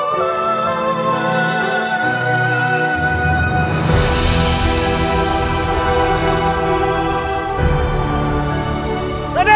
kaulah adalah hari yang kalah